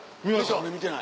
俺見てない。